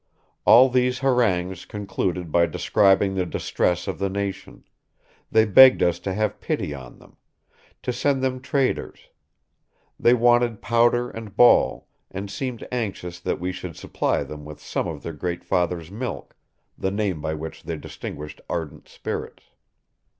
All these harangues concluded by describing the distress of the nation; they begged us to have pity on them; to send them traders; they wanted powder and ball, and seemed anxious that we should supply them with some of their Great Father's milk, the name by which they distinguished ardent spirits."